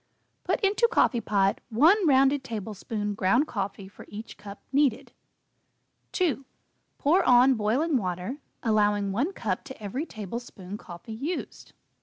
Put into coffee pot 1 rounded tablespoon ground coffee for each cup needed. 2. Pour on boiling water, allowing 1 cup to every tablespoon coffee used. 3.